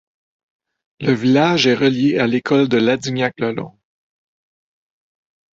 Le village est relié à l'école de Ladignac-le-Long.